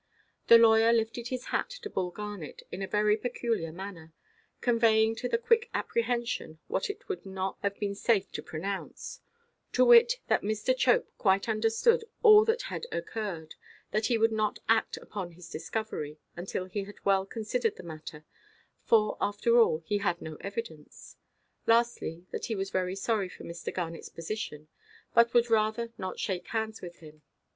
The lawyer lifted his hat to Bull Garnet in a very peculiar manner, conveying to the quick apprehension, what it would not have been safe to pronounce—to wit, that Mr. Chope quite understood all that had occurred; that he would not act upon his discovery until he had well considered the matter, for, after all, he had no evidence; lastly, that he was very sorry for Mr. Garnetʼs position, but would rather not shake hands with him.